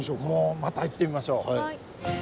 また行ってみましょう。